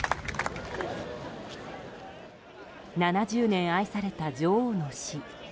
７０年愛された女王の死。